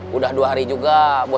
sudah dua hari juga bos bubun nggak ada